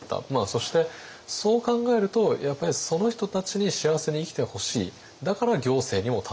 そしてそう考えるとやっぱりその人たちに幸せに生きてほしいだから行政にも携わる。